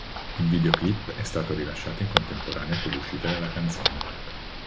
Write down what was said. Il videoclip è stato rilasciato in contemporanea con l'uscita della canzone.